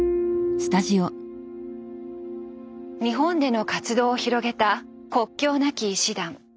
日本での活動を広げた国境なき医師団。